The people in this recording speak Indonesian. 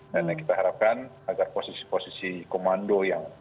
dan kita harapkan agar posisi posisi komando yang